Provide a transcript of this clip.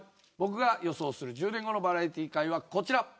僕が予想する１０年後のバラエティー界はこちら。